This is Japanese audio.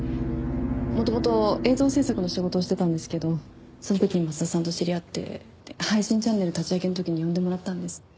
元々映像制作の仕事をしてたんですけどその時に松田さんと知り合って配信チャンネル立ち上げの時に呼んでもらったんです。